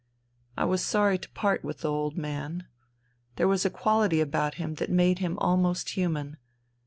I was sorry to part with the old man. There was a quality about him that made him almost human.